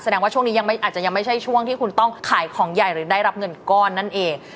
ว่าช่วงนี้ยังอาจจะยังไม่ใช่ช่วงที่คุณต้องขายของใหญ่หรือได้รับเงินก้อนนั่นเอง